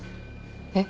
えっ？